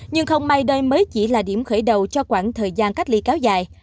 nhưng không may đây mới chỉ là điểm khởi đầu cho khoảng thời gian cách ly kéo dài